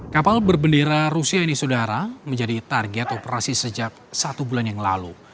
kapal berbendera rusia ini saudara menjadi target operasi sejak satu bulan yang lalu